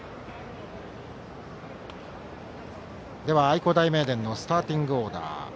愛工大名電のスターティングオーダー。